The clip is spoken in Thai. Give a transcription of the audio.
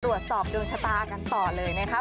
ตรวจสอบโดนชะตากันต่อเลยนะครับ